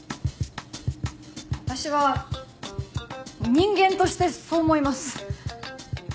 私は人間としてそう思います。